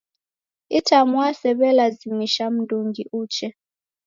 Itamwaa siw'elazimisha mndungi uche.